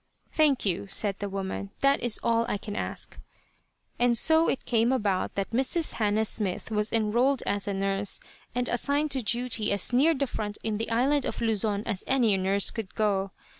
"Thank you," said the woman. "That is all I can ask." And so it came about that Mrs. Hannah Smith was enrolled as a nurse, and assigned to duty as near the front in the island of Luzon as any nurse could go.